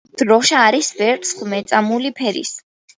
დროშა არის ვერცხლ-მეწამული ფერის.